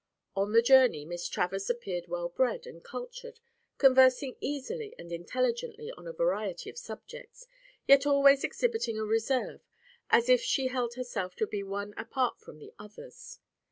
On the journey Miss Travers appeared well bred and cultured, conversing easily and intelligently on a variety of subjects, yet always exhibiting a reserve, as if she held herself to be one apart from the others.